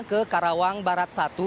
ke karawang barat satu